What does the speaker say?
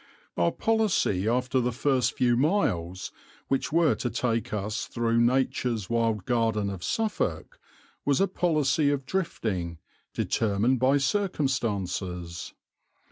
Our policy, after the first few miles, which were to take us through nature's wild garden of Suffolk, was a policy of drifting, determined by circumstances.